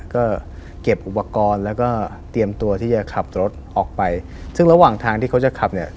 ก็เก็บอุปกรณ์แล้วก็เตรียมตัวที่จะขับรถออกไปซึ่งระหว่างทางที่เขาจะขับเนี่ย